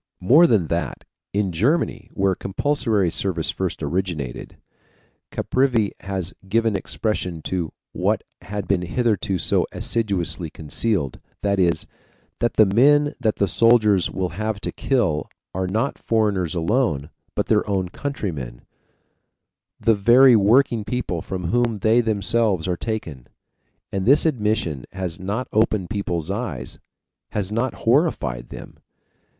More than that, in Germany, where compulsory service first originated, Caprivi has given expression to what had been hitherto so assiduously concealed that is, that the men that the soldiers will have to kill are not foreigners alone, but their own countrymen, the very working people from whom they themselves are taken. And this admission has not opened people's eyes, has not horrified them!